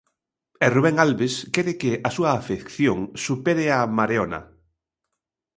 E Rubén Albes quere que a súa afección supere a mareona.